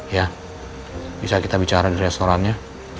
ya bisa kita bicara di restorannya